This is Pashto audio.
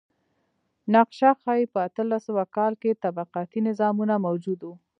نقشه ښيي په اتلس سوه کال کې طبقاتي نظامونه موجود و.